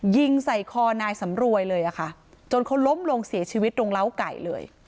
ยิงใส่คอนายสำรวยเลยอะค่ะจนเขาล้มลงเสียชีวิตตรงเล้าไก่เลย